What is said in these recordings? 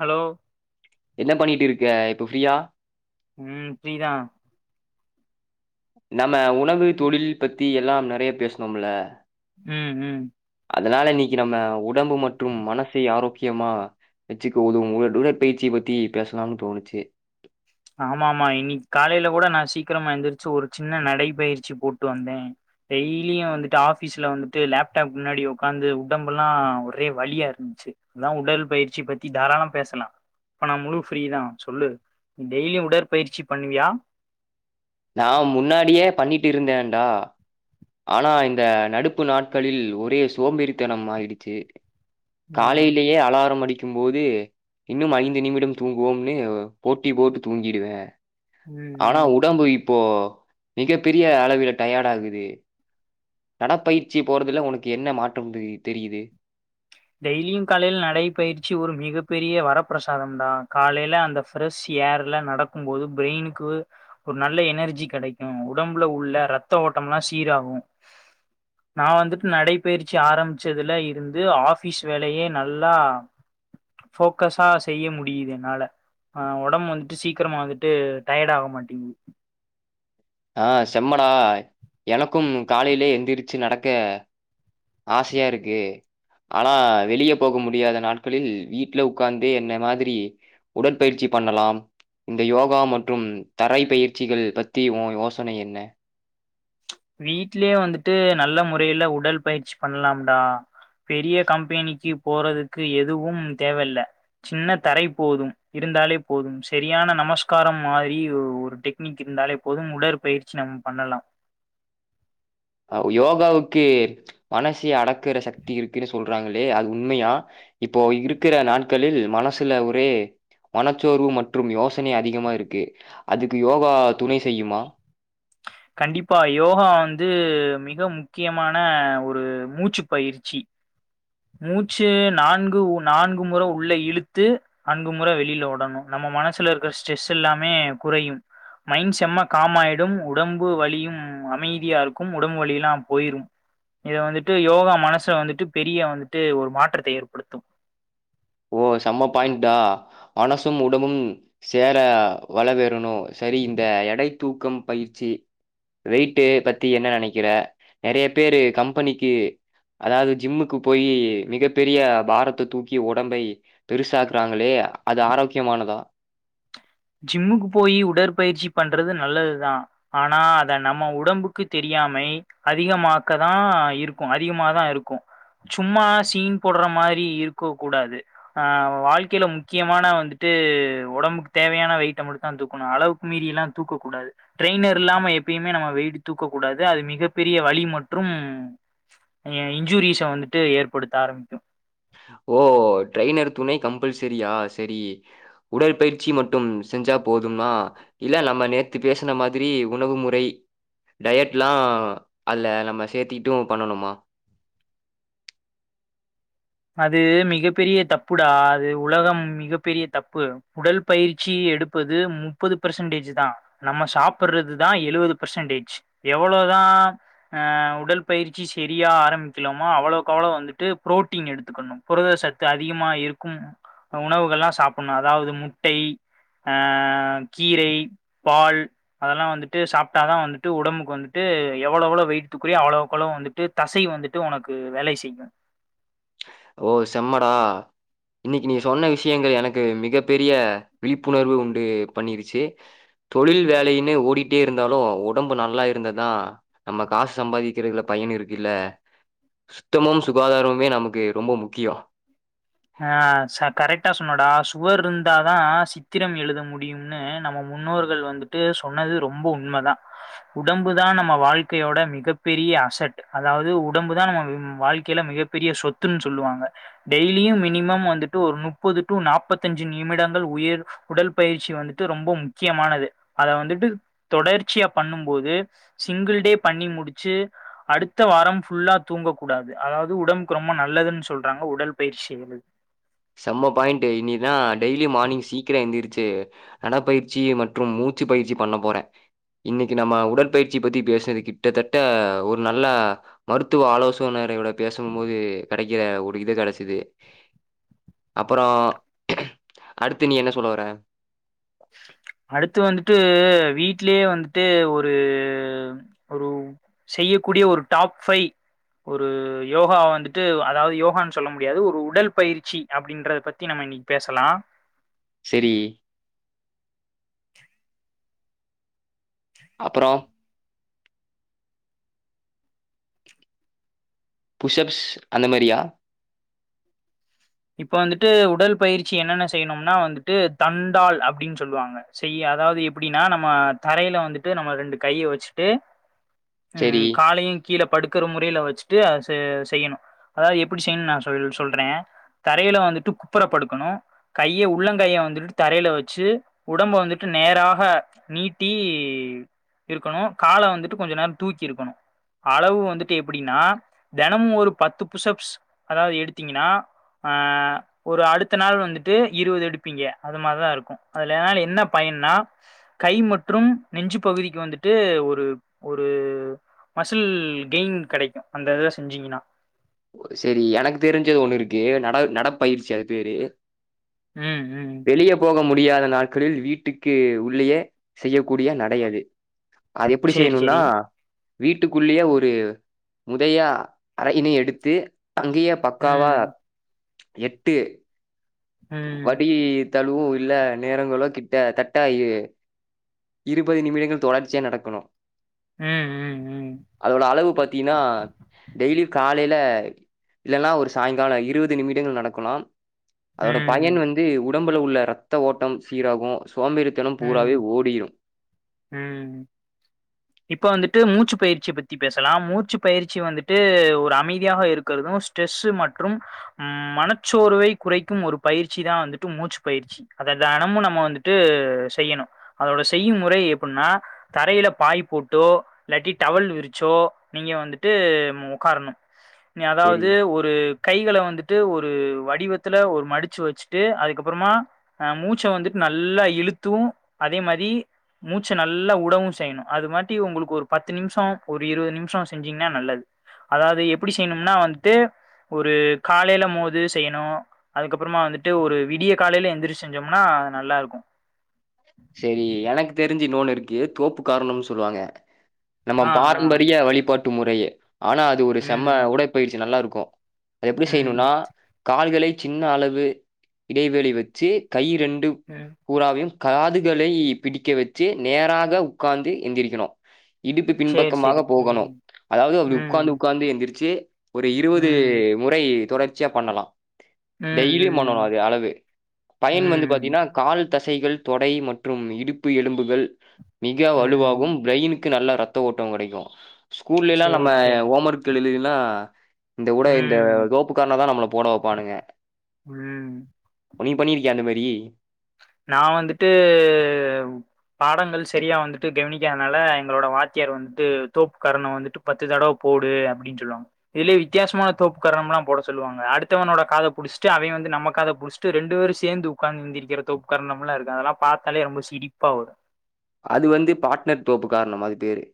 Hello என்ன பண்ணிட்டுருக்க இப்ப ஃப்ரீயா உம் ஃப்ரீ தா நம்ம உணவு தொழில் பத்தி எல்லா நெறைய பேசனோம்ல ம் ம் அதுனால இன்னிக்கி நம்ம உடம்பு மற்றும் மனசை ஆரோக்கிய யமா வச்சுக்க உதவும் உ டுடற்பயிற்சியை பத்தி பேசலாம்னு தோணுச்சு ஆமா ஆமா இன்னிக்கு காலைல கூட நா சீக்கிரமா எந்திரிச்சு ஒரு சின்ன நடபயிற்சி போட்டு வந்தே டெய்லியு வந்துட்டு ஆஃபீஸ்ல வந்துட்டு லேப்டாப் முன்னாடி உட்காந்து உடம்பெல்லா ஒரே வலியாருந்துச்சு அதா உடல் பயிற்சி பத்தி தாராளமா பேசலா இப்ப நா முழு ஃப்ரீதா சொல்லு நீ டெய்லியு உடற்பயிற்சி பண்ணுவியா நான் முன்னாடியே பண்ணிட்டுருந்தேன்டா. ஆனா இந்த நடுப்பு நாட்களில் ஒரே சோம்பேறித்தனம் ஆயிடுச்சு ம் காலைலயே அலாரம் அடிக்கும் போது இன்னும் ஐந்து நிமிடம் தூங்குவோம்னு போட்டி போட்டு தூங்கிடுவே ம் ஆனா ம் உடம்பு இப்போ மிகப்பெரிய அளவில டயர்ட் ஆகுது. நடப்பயிற்சி போறதுல உனக்கு என்ன மாற்றம் தெரியு தெரியுது டெய்லியு காலைல நடை பயிற்சி ஒரு மிகப்பெரிய வரப்பிரசாதம் தா காலைல அந்த ஃப்ரெஷ் ஏர்ல நடக்கும் போது ப்ரெயின்க்கு ஒரு நல்ல எனர்ஜி கெடக்கும். உடம்புல உள்ள ரத்த ஓட்டம் எல்லா சீராகும். நா வந்துட்டு நடைபயிற்சி ஆரம்பிச்சதுல இருந்து ஆஃப் ஃபீஸ் வேலயே நல்லா ஃபோக்கஸ்ஸா செய்ய முடியுது என்னால ஆ ஒடம்பு வந்துட்டு சீக்கிரமா வந்துட்டு டயர்ட் ஆக மாட்டேங்கிது ஆ செம்மடா எனக்கும் காலைலயே எந்திரிச்சி நடக்க ஆசையா இருக்கு ஆனா வெளியே போக முடியாத நாட்களில் வீட்ல உட்காந்தே என்ன மாதிரி உடற்பயிற்சி பண்ணலாம் இந்த யோகா மற்றும் தரை பயிற்சிகள் பத்தி ஓ யோசனை என்ன வீட்லயே வந்துட்டு நல்ல முறையில உடல் பயிற்சி பண்ணலாம்டா பெரிய கம்பெனிக்கி போறதுக்கு எதுவும் தேவயில்ல சின்ன தரை போதும் இருந்தாலே போதும் சரியான நமஸ்காரம் மாரி ஒரு டெக் னிக் இருந்தாலே போதும் உடற்பயிற்சி நம் பண்ணலா ஆ யோகாவுக்கு மனசை அடக்குற சக்தி இருக்குன்னு சொல் றாங்களே அது உண்மையா இப்போ இருக்கிற நாட்களில் மனசுல ஒரே மனச்சோர்வு மற்றும் யோசனை அதிகமா இருக்கு அதுக்கு யோகா துணை செய்யுமா கண்டிப்பா யோகா வந்து மிக முக்கியமான ஒரு மூச்சு பயிற்சி மூச்சு நான்கு உ நான்கு முற உள்ள இழுத்து நான்கு முற வெளியில விடணு நம்ம மனசுல இருக்கிற ஸ்ட்ரெஸ் எல்லாமே குறையும் மைண்ட் செம்ம காம்மாய்டும் உடம்பு வலியும் அமைதியா இருக்கும் உடம்பு வலிலா போய்ரும் இத வந்துட்டு யோகா மனச வந்துட்டு பெரிய வந்துட்டு ஒரு மாற்றத்தை ஏற்படுத்தும் ஓ செம்ம பாயிண்டா மனசும் உடம்பும் சேர வளவேறணு செரி இந்த எடை தூக்கம் பயிற்சி வெயிட்டு பத்தி என்ன நெனைக்கிற நெறைய பேரு கம்பெனிக்கு அதாவது ஜிம்முக்கு போய் மிகப் பெரிய பாரத்த தூக்கி ஒட் உடம்பை பெருசாக்குறாங்களே அது ஆரோக்கியமானதா ஜிம்முக்கு போய் உடற்பயிற்சி பண்றது நல்லது தா ஆனா அத நம்ம உடம்புக்கு தெரியாமை அதிகமாக்கதா இருக்கு அதிகமாதா இருக்கு சும்மா சீன் போட்ற மாரி இருக்க கூடாது ஆ வாழ்க்கையில முக்கியமான வந்துட்டு உடம்புக்கு தேவையான வெயிட்ட மட்டும் தா தூக்கணும் அளவுக்கு மீறியெல்லா தூக்கக்கூடாது ட்ரெய்னர் இல்லாம எப்பயுமே நம்ம வெயிட்டு தூக்கக்கூடாது. அது மிகப்பெரிய வழி மற்றும் ஏ இன்ஜூரிஸ வந்துட்டு ஏற்படுத்த ஆரம்பிக்கும் ஓ ட்ரைய்னர் துணை கம்பல்சரியா சரி உடற்பயிற்சி மட்டும் செஞ்சா போதும்மா இல்ல நம்ம நேத்து பேசுன மாதிரி உணவு முறை டயட்லா அதுல நம்ம சேத்திட்டும் பண்ணனுமா அது மிகப் பெரிய தப்புடா அது உலகம் மிகப் பெரிய தப்பு. உடல் பயிற்சி எடுப்பது முப்பது பெர்சன்டேஜ் தா நம்ம சாப்புறதுதா எழுவது பெர்சன்டேஜ் எவ்ளோதா ஆ உடற்பயிற்சி சரியா ஆரம்பிக்கலமா அவ்ளோக்கவ்ளோ வந்துட்டு ப்ரோட் டீன் எடுத்துக்கணு புரத சத்து அதிகமா இருக்கும் உணவுகள்லா சாப்புட்ணு அதாவது முட்டை ஆ கீரை பால் அதெல்லா வந்துட்டு சாப்ட்டாதா வந்துட்டு உடம்புக்கு வந்துட்டு எவ்ளோ எவ்ளோ வெயிட் தூக்குறியோ அவ்ளோக்கவுளோ வந்துட் டு தசை வந்துட்டு உனக்கு வேலை செய்யு ஓ செம்மடா இன்னிக்கி நீ சொன்ன விஷயங்கள் எனக்கு மிகப் பெரிய விழிப்புணர்வு உண்டு பண்ணிருச்சு தொழில் வேலையுமே ஓடிட்டே இருந்தாலு ஒடம்பு நல்லா இருந்ததா நம்ம காசு சம்பாதிக்கிறதுல பயன் இருக்கு இல்ல சுத்தமும் சுகாதாரமுமே நமக்கு ரொம்ப முக்கியோ ஆ ச கரெக்டா சொன்னடா சுவர் இருந்தாதா சித்திரம் எழுத முடியு இன்னு நம்ம முன்னோர்கள் வந்துட்டு சொன்னது ரொம்ப உண்மதா உடம்பு தா நம்ம வாழ்க்கையோட மிகப் பெரிய அசட் அதாது உடம்பு தான் நம்ம வாழ்க்கையில மிகப்பெரிய சொத்துன்னு சொல்லுவாங்க. டெய்லியும் மினிமம் வந்துட்டு ஒரு முப்பது டு நாப்பத்தஞ்சு நிமிடங்கள் உயர் உடல் பயிற்சி வந்துட்டு ரொம்ப முக்கியமானது அத வந்துட்டு தொடர்ச்சியா பண்ணும் போது சிங்கிள் டே பண்ணி முடிச்சு அடுத்த வாரம் ஃபுல்லா தூங்கக்க கூடாது அதாவது உடம்புக்கு ரொம்ப நல்லதுன்னு சொல்றாங்க உடல் பயிற்சிங்கறது செம்ம பாயிண்ட்டு இனிதா டெய்லி மார்னிங் சீக்கரோ எந்திரிச்சி நடப்பயிற்சி மற்றும் மூச்சு பயிற்சி பண்ண போறே இன்னிக்கி நம்ம உடற்பயிற்சி பத்தி பேசினது கிட்டத்தட்ட ஒரு நல்ல மருத்துவ ஆலோசனையரோட பேசும் போது கெடைக்கிற ஒரு இது கெடச்சிது அப்றோ அடுத்து நீ என்ன சொல்ல வர அடுத்து வந்துட்டு வீட்லேயே வந்துட்டு ஒரு ஒரு செய்யக்கூடிய ஒரு டாப் ஃபைவ் ஒரு யோகா வந்துட்டு அதாவது யோகான்னு சொல்ல முடியாது ஒரு உடல் பயிற்சி அப்படின்றத பத்தி நம்ம இன்னைக்கி பேசலா சேரி அப்புறோ புஷ் அப்ஸ் அந்த மாரியா இப்போ வந்துட்டு உடல் பயிற்சி என்னென்ன செய்யணும்னா வந்துட்டு தண்டாள் அப்டின்னு சொல்லுவாங்க செய் அதாது எப்டின்னா நம்ம தரையில வந்துட்டு நம்ம ரெண்டு கைய வெச்சுட்டு ம் சரி, காலையும் கீழ படுக்குற முறைல வெச்சுட்டு அ செ செய்யணு அதாது எப்டி செய்யணுன்னு நா சொல் சொல்றே தரையில வந்துட்டு குப்புர படுக்கணு கைய உள்ளங்கையை வந்துட்டு தரையில வெச்சு உடம்ப வந்துட்டு நேராக நீட்டி இருக்கணு கால வந்துட்டு கொஞ்ச நேரோ தூக்கி இருக்கணு அளவு வந்துட்டு எப்டின்னா தெனமும் ஒரு பத்து புஷ் அப்ஸ் அதாது எடுத்தீங்கன்னா ஆ ஒரு அடுத்த நாள் வந்துட்டு இருவது எடுப்பீங்க அது மாரிதா இருக்கு அதனால என்ன பயன்னா கை மற்றும் நெஞ்சு பகுதிக்கு வந்துட்டு ஒரு ஒரு மசில் கெயின் கேடைக்கு அந்த இத செஞ்சீங்கன்னா ஓ சேரி எனக்கு தெரிஞ்சது ஒன்னு இருக்கு நட நடப்பயிற்சி அது பேரு ம் ம் வெளியே போக முடியாத நாட்களில் வீட்டுக்கு உள்ளேயே செய்யக்கூடிய நடை அது அது எப்புடி சேரி செய்யணும்னா சேரி வீட்டுக்குள்ளியே ஒரு முதையா அறயினை எடுத் து அங்கியே பக்காவா ம் எட்டு ம் வடி தழுவு இல்ல நேரங்களோ கிட்ட தட்டாயி இருபது நிமிடங்கள் தொடர்ச்சியா நடக்கணும் ம் ம் ம் அதோட அளவு பத்தீங்கன்னா டெய்லி காலையில இல்லனா ஒரு சாயங்கால இருவது நிமிடங்கள் நடக்கலாம் அதோட ம் பயன் வந்து உடம்பில் உள்ள இரத்த ஓட்டம் சீராகு சோம்பேரித்தனம் பூராவே ஓடிரும் உம் [inaudible] இப்ப வந்துட்டு மூச்சு பயிற்சிய பத்தி பேசலாம் மூச்சு பயிற்சி வந்துட்டு ஒரு அமைதியாக இருக்கிறதும் ஸ்ட்ரெஸ் மற்றும் மனச்சோர்வை குறைக்கும் ஒரு பயிற்சி தா வந்துட்டு மூச்சு பயிற்சி அத தெனமு நம்ம வந்துட்டு செய்யணு அதோட செய்யும் முறை எப்டினா தரையில பாய் போட்டோ இல்லாட்டி டவல் விரிச்சோ நீங்க வந்துட்டு உக்காரணும் நீ சரி, அதாவது ஒரு ஒரு கைகளை வந்துட்டு ஒரு வடிவத்துல ஒரு மடிச்சு வச்சுட்டு அதுக்கப்புறமா அ மூச்ச வந்துட்டு நல்லா இழுத்தூ அதே மாரி மூச்ச நல்லா உடவும் செய்யணும் அது மாட்டி உங்களுக்கு ஒரு பத்து நிமிஷோ ஒரு இருவது நிமிஷோ செஞ்சீங்கன்னா நல்லது அதாவது எப்டி செய்யணும்னா வந்ட்டு ஒரு காலையில மோது செய்ணு அதுக்கப்புறமா வந்துட்டு ஒரு விடிய காலையில எந்திரி செஞ்சோம்னா நல்லா இருக்கும் சேரி எனக்கு தெரிஞ்சு நோன் இருக்கு தோப்பு காரணம்னு சொல்லுவாங்க நம்ம ஆ ஆ பாரம்பரிய வழிபாட்டு முறையே ஆனா அது ஒரு செம்ம ம், உடைப்பயிற்சி நல்லா இருக்கு எப்டி செய்ணும்னா ம், கால்களை சின்ன அளவு இடைவெளி வச்சு கை ரெண்டு அ கூறாவையும் காதுகளை பிடிக்க வச்சு நேராக உக்கார்ந்து எந்திரிக்கணு இடுப்பு சரி, சரி. பின்பக்கமாக ம், போகணும் அதாவது அப்டி உக்காந்து ம், உக்காந்து எந்திரிச்சு ஒரு இருவது ம், முறை தொடர்ச்சியா பண்ணணு ம், டெய்லியும் பண்ணணு ம், அது அளவு பயன் வந்து ம், பாத்தீங்கன்னா கால் தசைகள் தொடை மற்றும் இடுப்பு எலும்புகள் மிக ம். வலுவாகும் ப்ரைனுக்கு நல்ல ரத்த ஓட்டம் கெடைக்கும் ஸ்கூல்ல எல்லாம் நம்ம சரி, சரி. ஹோம் ஒர்க் எழுதுறது எல்லா இந்த ஊட இந்த ம், கோப்பு கரண தா நம்மள போட வப்பானுங்க ம். ஒன்னய பண்ணிருக்கியா அந்த மாரி நா வந்துட்டு பாடங்கள் சரியா வந்துட்டு கவனிக்காதனால எங்களோட வாத்தியார் வந்துட்டு தோப்பு கரணம் வந்துட்டு பத்து தடவ போடு அப்டின்னு சொல்லுவாங்க இதுலியே வித்தியாசமான தோப்பு கரணம்லாம் போட சொல்லுவாங்க அடுத்தவனோட காத புடிச்ட்டு அவே வந்து நம்மக்காத புடிச் ரெண்டு பேரும் சேந்து உட்காந்து எந்தக்கிறது உக்காரணம் எல்லாம் இருக்கு அதெல்லாம் பாத்தாலே ரொம்ப சிரிப்பா வரும் அது வந்து பாட்னர் தோப்பு காரணம் அது பேரு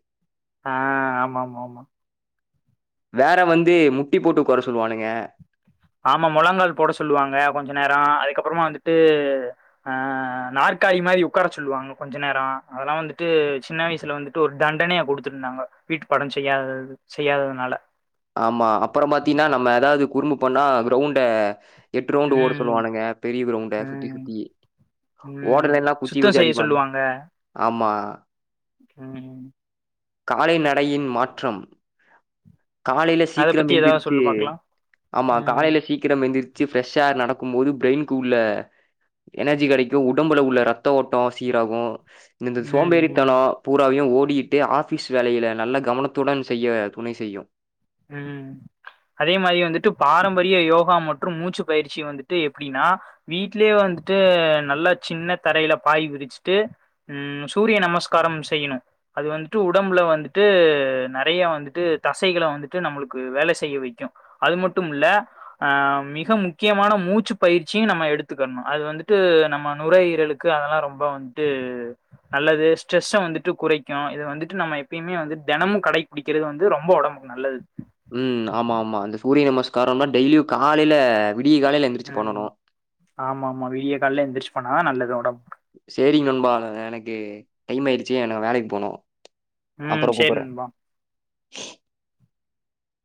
ஆ ஆமா ஆமா ஆமா வேற வந்து முட்டி போட்டு உக்கார சொல்லுவானுங்க ஆமா முழங்கால் போட சொல்வாங்க கொஞ்ச நேரோ அதுக்கப்புறமா வந்துட்டு ஆ நாற்காலி மாரி உட்கார சொல்லுவாங்க கொஞ்ச நேரௌ அதெல்லாம் வந்துட்டு சின்ன வயசுல வந்துட்டு ஒரு தண்டனைய குடுத்துருந்தாங்க வீட்டு பாடம் செய்யாத செய்யாததுனால ஆமா அப்புறம் பாத்தீங்கன்னா நம்ம ஏதாவது குறும்பு பண்ணா கிரௌண்ட எட்டு ரவுண்ட் ஓட ம் சொல்லுவானுங்க பெரிய கிரௌண்ட சுத்தி ம் சுத்தி ம் ஓடலன குச்சி சுத்தோ வெச்சு செய்ய அடிப்பானுங்ஆமா உம் காலை நடையின் மாற்றம் காலையில அத சீக்கிரம் பத்தி ஏதாவது எந்திரச்சு சொல்லு பாக்கலா ஆமா ம் காலையில சீக் கிரம் எந்திரிச்சு பிரெஷ்ஷா நடக்கும் போது பிரெய்ன்கூள்ள எனர்ஜி கெடைக்கும் உடம்புல உள்ள ரத்த ஓட்டம் சீராகும் இந்த ம் ம் சோம்பேறித்தனம் பூராவையு ஓடிகிட்டு ஆஃபீஸ் வேலையில நல்ல கவனத்துடன் செய்ய துணை செய்யு. ம். அதே மாரி வந்துட்டு பாரம்பரிய யோகா மற்றும் மூச்சு பயிற்சி வந்துட்டு எப்பிடின்னா வீட்லியே வந்துட்டு நல்ல சின்ன தரையில பாய் விரிச்சுட்டு ம் சூரிய நமஸ்காரம் செய்யணு. அது வந்துட்டு உடம்புல வந்துட்டு நெறைய வந்துட்டு தசைகள வந்துட் டு நம்முளுக்கு வேல செய்ய வெக்கு அது மட்டுமில்ல ஆ மிக முக்கியமான மூச்சு பயிற்சியு நம்ம எடுத்துக்கர்ணு அது வந்துட்டு நம்ம நுரையீரலுக் கு அதெல்லா ரொம்ப வந்ட்டு நல்லது ஸ்ட்ரெஸ்ஸ வந்துட்டு குறைக்கு இத வந்துட்டு நம்ம எப்பியுமே வந்து தெனமு கடைபிடிக்கிறது வந்து ரொம்ப ஒடம் ம் நல்லது. ம் ஆமாமா இந்த சூரிய நமஸ்காரோன்னா டெய்லியு காலைல விடிய காலைல எந் ம் ஆமாமா விடிய கால்ல எந்திரிச்சு பண்ணாதா நல்லது ஒடம்புக்கு. சேரிங் நண்பா ந ந எனக்கு டைம் ஆயிடுச்சு எனக் வேலைக் போணு. ம் சேரி நண்பா.